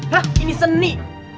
hah ini seni